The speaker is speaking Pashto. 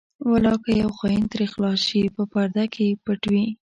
ولاکه یو خاین ترې خلاص شي په پرده کې پټ وي.